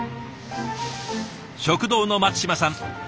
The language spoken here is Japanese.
食堂の松島さん